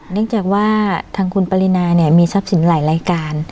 เนื่องจากว่าทางคุณปรินาเนี่ยมีทรัพย์สินหลายรายการ